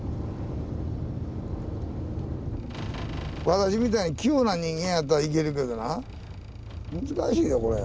私みたいに器用な人間やったらいけるけどな難しいよこれ。